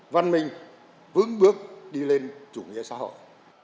văn minh vững bước đi lên chủ nghĩa xã hội